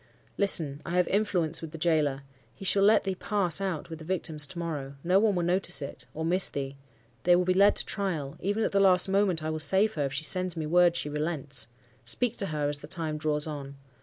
"'Listen! I have influence with the gaoler. He shall let thee pass out with the victims to morrow. No one will notice it, or miss thee—. They will be led to trial,—even at the last moment, I will save her, if she sends me word she relents. Speak to her, as the time draws on.